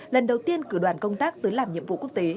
lần đầu tiên cử đoàn công tác tới làm nhiệm vụ quốc tế